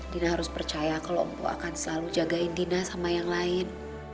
dina harus percaya kalau empu akan selalu jagain dina sama yang lain